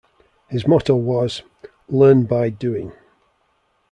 His motto was "learn by doing".